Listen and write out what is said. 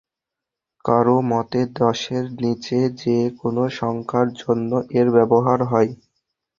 কারও মতে দশের নিচে যে কোন সংখ্যার জন্যে এর ব্যবহার হয়।